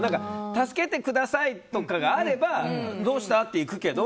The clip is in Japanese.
助けてくださいとかあればどうした？って行くけど。